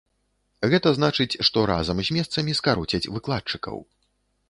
Гэта значыць, што разам з месцамі скароцяць выкладчыкаў.